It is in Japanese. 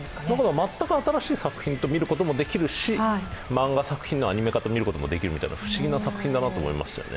全く新しい作品と見ることもできるし、漫画作品の映画化と見ることもできるし不思議な作品だなと思いましたね。